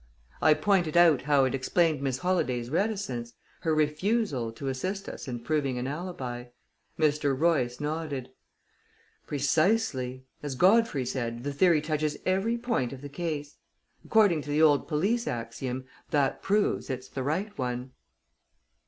I pointed out how it explained Miss Holladay's reticence her refusal to assist us in proving an alibi. Mr. Royce nodded. "Precisely. As Godfrey said, the theory touches every point of the case. According to the old police axiom, that proves it's the right one."